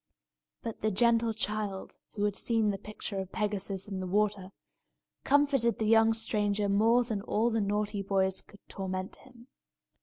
But the gentle child, who had seen the picture of Pegasus in the water, comforted the young stranger more than all the naughty boys could torment him.